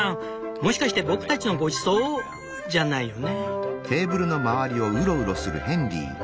もしかして僕たちのごちそう？じゃないよね」。